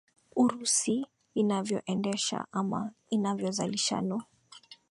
urusi inavyoendesha ama inavyo zalisha nu